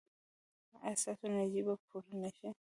ایا ستاسو انرژي به پوره نه شي؟